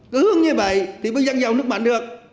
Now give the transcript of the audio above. cứ hướng như vậy thì mới dân giàu nước mạnh được